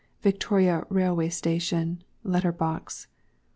Victoria Railway Station (Letter box.)